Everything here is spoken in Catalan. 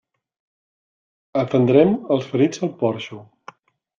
Atendrem els ferits al porxo.